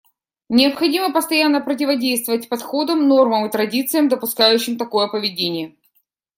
Необходимо постоянно противодействовать подходам, нормам и традициям, допускающим такое поведение.